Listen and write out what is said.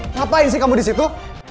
ngapain sih kamu disitu